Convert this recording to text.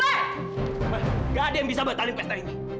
tidak ada yang bisa batalin pesta ini